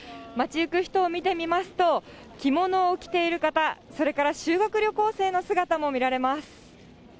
街行く人を見てみますと、着物を着ている方、それから修学旅行生の姿も見られます。